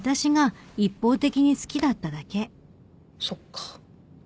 そっか。